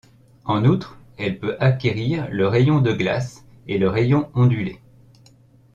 En outre, elle peut acquérir le rayon de glace et le rayon ondulé.